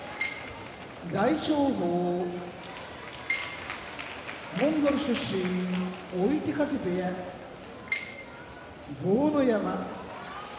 大翔鵬モンゴル出身追手風部屋豪ノ山